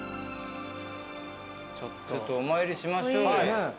ちょっとお参りしましょう。